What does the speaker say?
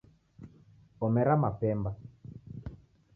Omera mapemba